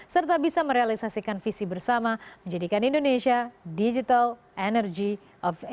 serta bisa merealisasikan visi bersama menjadikan indonesia digital energy of er